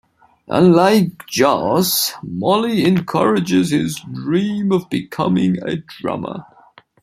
Unlike Zosh, Molly encourages his dream of becoming a drummer.